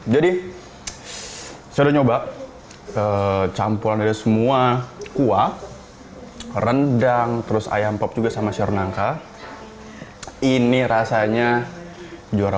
jadi saya nyoba ke campuran dari semua kuah rendang terus ayam pop juga sama serna ka ini rasanya juara